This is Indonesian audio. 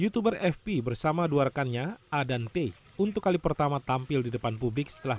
youtuber fp bersama dua rekannya adante untuk kali pertama tampil di depan publik setelah